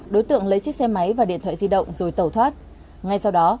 đối tượng lấy chiếc xe máy và điện thoại di động rồi tẩu thoát ngay sau đó